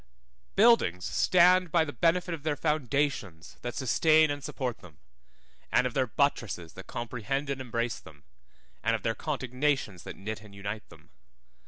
BUILDINGS stand by the benefit of their foundations that sustain and support them, and of their buttresses that comprehend and embrace them, and of their contignations that knit and unite them.